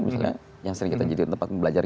misalnya yang sering kita jadi tempat belajar